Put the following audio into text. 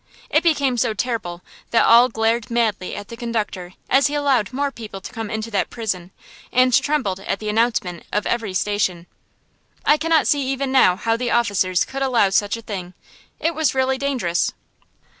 It became so terrible that all glared madly at the conductor as he allowed more people to come into that prison, and trembled at the announcement of every station. I cannot see even now how the officers could allow such a thing; it was really dangerous.